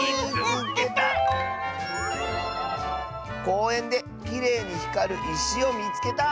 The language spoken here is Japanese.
「こうえんできれいにひかるいしをみつけた！」。